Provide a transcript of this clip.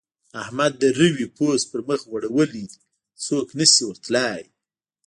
احمد د روې پوست پر مخ غوړولی دی؛ څوک نه شي ور تلای.